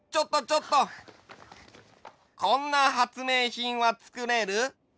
こんな発明品はつくれる？